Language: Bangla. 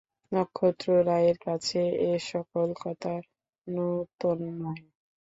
নক্ষত্ররায়ের কাছে এ-সকল কথা নূতন নহে।